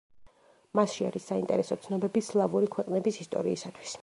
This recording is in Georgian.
მასში არის საინტერესო ცნობები სლავური ქვეყნების ისტორიისათვის.